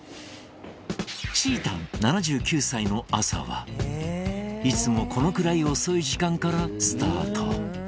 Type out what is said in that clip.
ちーたん７９歳の朝はいつもこのくらい遅い時間からスタート